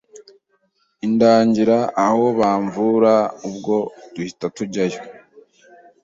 indangira aho bamvura ubwo duhita tujyayo